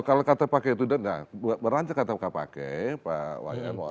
kalau kata pake itu berlanjut kata pake pak wayan